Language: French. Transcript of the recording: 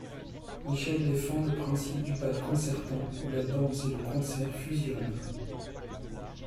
Michel défend le principe du Bal concertant ou la danse et le concert fusionnent.